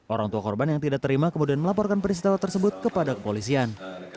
orang tua korban yang tidak terima kemudian melaporkan peristiwa tersebut kepada kepolisian